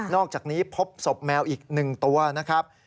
อกจากนี้พบศพแมวอีก๑ตัวนะครับ